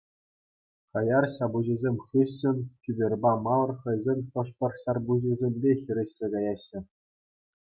Хаяр ҫапӑҫусем хыҫҫӑн Кӳперпа Мавр хӑйсен хӑшпӗр ҫарпуҫӗсемпе хирӗҫсе каяҫҫӗ.